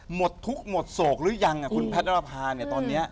หมดทุกข์หมดโศกหรือยังคุณแพทย์นรภาเนี่ยตอนนี้